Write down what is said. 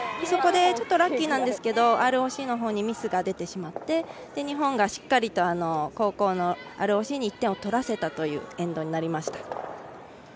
そこでちょっとラッキーなんですけどＲＯＣのほうにミスが出てしまって日本がしっかり後攻のＲＯＣに１点を取らせたというエンドになりました。